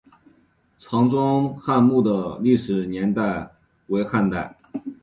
常庄汉墓的历史年代为汉代。